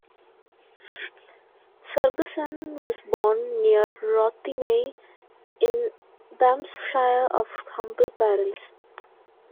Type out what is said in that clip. Ferguson was born near Rothiemay in Banffshire of humble parents.